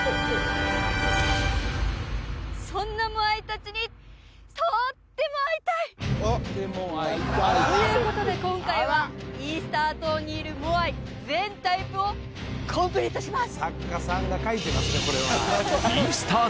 そんなモアイ達にということで今回はイースター島にいるモアイ全タイプをコンプリートします